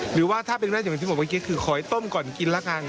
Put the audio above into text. หรือว่าถ้าเป็นแบบที่ผมบอกว่าขอยต้มก่อนกินละกัน